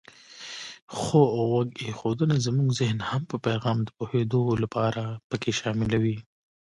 خو غوږ ایښودنه زمونږ زهن هم په پیغام د پوهېدو لپاره پکې شاملوي.